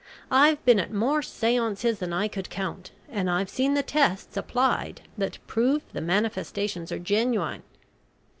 I've been at more seances than I could count, and I've seen tests applied that prove the manifestations are genuine.